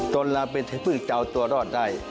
ตนแหละเป็นที่เพิ่งเจ้าตัวรอดได้